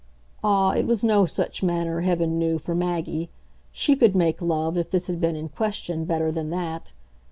Ah, it was no such manner, heaven knew, for Maggie; she could make love, if this had been in question, better than that!